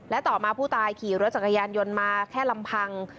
และต่อมาผู้ตายขี่รถจักรยานยนต์มาแค่ลำพัง